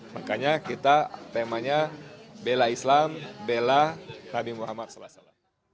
makanya kita temanya bela islam bela nabi muhammad saw